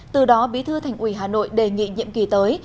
từ đó bí thư thành ủy hà nội đề nghị nhiệm kỳ tới